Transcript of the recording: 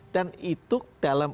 dan itu dalam